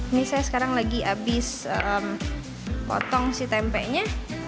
ini saya sekarang lagi habis potong si tempenya